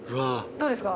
どうですか？